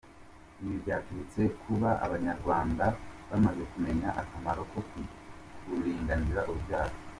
Ibi byaturutse ku kuba Abanyarwanda bamaze kumenya akamaro ko kuringaniza urubyaro.